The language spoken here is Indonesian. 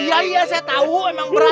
iya saya tahu emang berat